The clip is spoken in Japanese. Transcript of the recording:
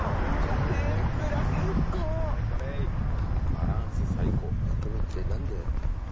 バランス最高。